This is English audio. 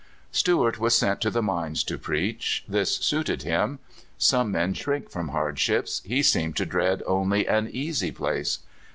Stewart was sent to the mines to preach. This suited him. Some men shrink from hardships; he seemed to dread only an easy place.